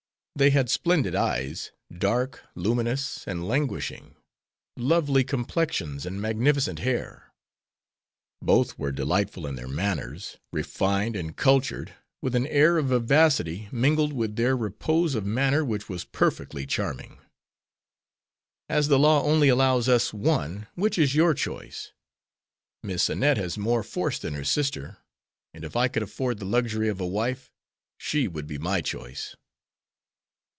They had splendid eyes, dark, luminous, and languishing; lovely complexions and magnificent hair. Both were delightful in their manners, refined and cultured, with an air of vivacity mingled with their repose of manner which was perfectly charming. As the law only allows us one, which is your choice? Miss Annette has more force than her sister, and if I could afford the luxury of a wife she would be my choice."